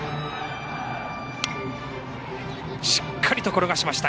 しっかりと転がしました。